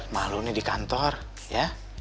malu nih di kantor ya